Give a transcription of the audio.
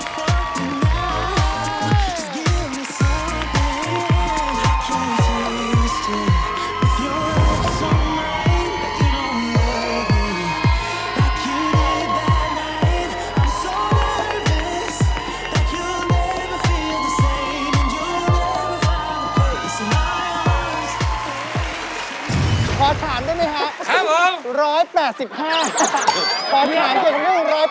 ถามได้ไหมคะร้อยแปดสิบห้าพอผ่านเก่งของเขา๑๘๕กิโลกรัม